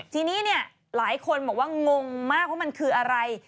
ทีนี้เนี่ยหลายคนบอกว่างงมากว่ามันคืออะไร